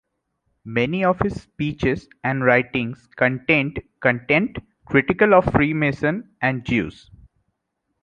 Many of his speeches and writings contained content critical of Freemasons and Jews.